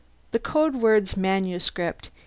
"The code word's manuscript.